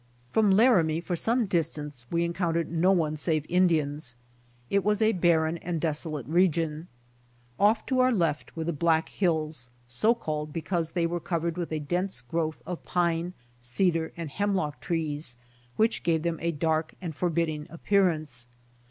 From Laramie for some distance we encoun tered no one save Indians. It was a barren and deso late region. Off to our left were the Black Hills, so called because they were covered with a dense growth of pine, cedar and hemlock trees which gave them a dark and forbidding appearance.